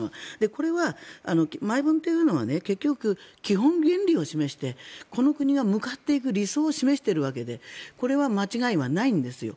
これは前文というのは結局、基本原理を示してこの国が向かっていく理想を示しているわけでこれは間違いはないんですよ。